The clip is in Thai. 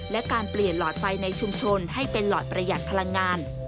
และการเปลี่ยนหลอดไฟในชุมชนให้เป็นหลอดประหยัดพลังงาน